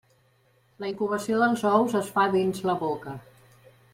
La incubació dels ous es fa dins la boca.